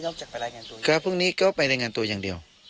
จากไปรายงานตัวก็พรุ่งนี้ก็ไปรายงานตัวอย่างเดียว